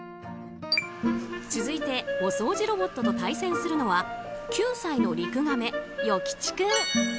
続いて、お掃除ロボットと対戦するのは９歳のリクガメ、与吉君。